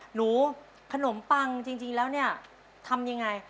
หนูขนมปังจริงแล้วเนี่ยทำยังไง